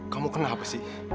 kamu kenapa sih